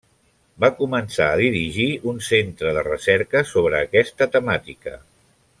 Va començar a dirigir un centre de recerca sobre aquesta temàtica.